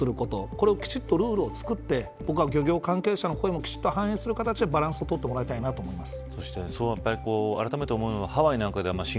これを、きちっとルールを作って漁業関係者の声も反映する形でバランスを取ってほしいと思います。